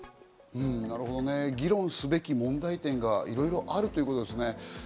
議論すべき問題点がいろいろあるということですね。